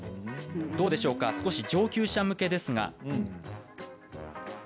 どうでしょうか、少し上級者向けですが。